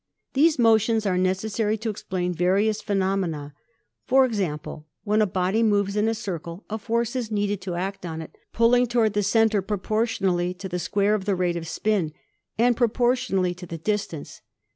These motions are necessary to explain various phe nomena. For example, when a body moves in a circle a force is needed to act on it, pulling toward the center pro portionally to the square of the rate of spin and propor tionally to the distance.